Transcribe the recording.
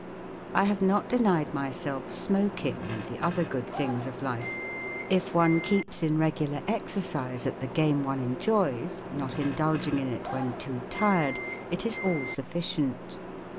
I have not denied myself smoking and the other good things of life* If one keeps in regular exercise at the game one enjoys, not indulging in it when too tired, it is all sufficient.